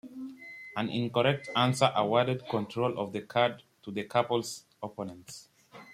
An incorrect answer awarded control of the card to the couple's opponents.